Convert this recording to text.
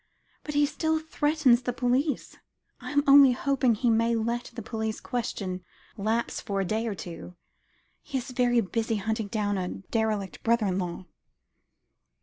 But he still threatens the police. I am only hoping he may let the police question lapse for a day or two; he is very busy hunting down a derelict brother in law."